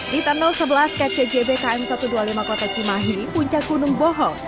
di tunnel sebelas kcjb km satu ratus dua puluh lima kota cimahi puncakunung bohong